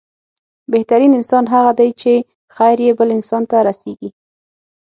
بهترين انسان هغه دی چې، خير يې بل انسان ته رسيږي.